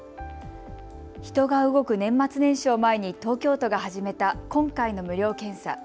人が動く年末年始を前に東京都が始めた今回の無料検査。